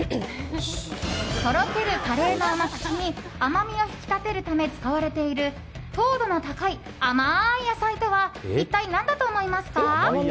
とろけるカレーの甘口に甘みを引き立てるため使われている糖度の高い、甘い野菜とは一体、何だと思いますか？